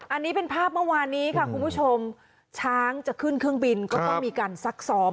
อันนี้เป็นภาพเมื่อวานนี้ค่ะคุณผู้ชมช้างจะขึ้นเครื่องบินก็ต้องมีการซักซ้อม